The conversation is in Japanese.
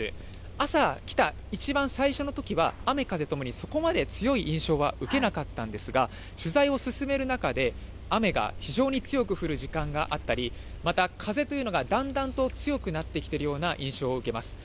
朝来た一番最初のときは雨風ともにそこまで強い印象は受けなかったんですが、取材を進める中で、雨が非常に強く降る時間があったり、また風というのがだんだんと強くなってきてるような印象を受けます。